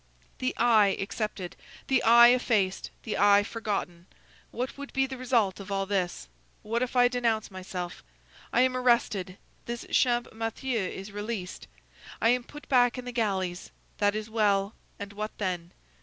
The I excepted, the I effaced, the I forgotten, what would be the result of all this? What if I denounce myself? I am arrested; this Champmathieu is released; I am put back in the galleys; that is well—and what then?